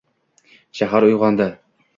Shahar uygʻondi.